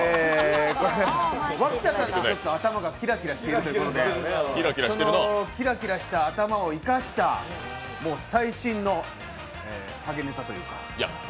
脇田さんがちょっと頭がキラキラしているということで、キラキラした頭を生かした最新のハゲネタというか。